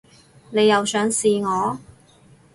你又想試我